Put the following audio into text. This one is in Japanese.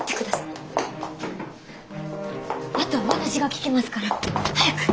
あとは私が聞きますから。早く！